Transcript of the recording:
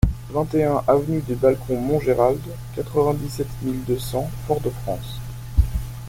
vingt et un avenue des Balcons Montgéralde, quatre-vingt-dix-sept mille deux cents Fort-de-France